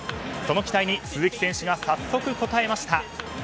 その期待に鈴木選手が早速、応えました。